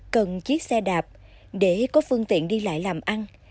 cần chiếc xe đạp để có phương tiện đi lại làm ăn